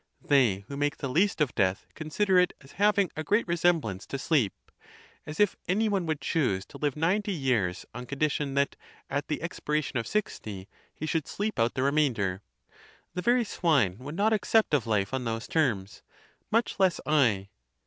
They who make the least of death consider it as having a great resemblance to sleep ; as if any one would choose to live ninety years on condi tion that, at the expiration of sixty, he should sleep out the remainder. The very swine would not accept of life on those terms, much less I.